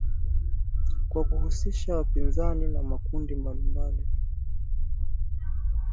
kwa kuhusisha wapinzani na makundi mbalimbali